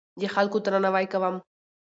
د خلکو درناوی کوم.